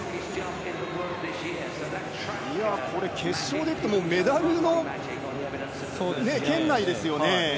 これ、決勝で行くとメダルの圏内ですよね。